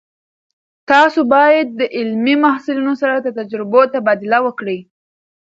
تاسو باید د علمي محصلینو سره د تجربو تبادله وکړئ.